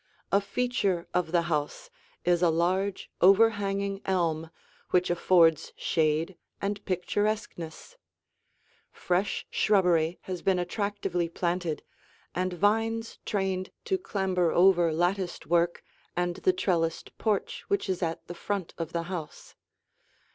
A feature of the house is a large, overhanging elm which affords shade and picturesqueness; fresh shrubbery has been attractively planted, and vines trained to clamber over latticed work and the trellised porch which is at the front of the house.